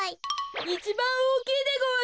いちばんおおきいでごわす！